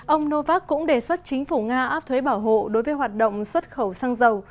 ông novak cũng đề xuất chính phủ nga áp thuế bảo hộ đối với hoạt động xuất khẩu xăng dầu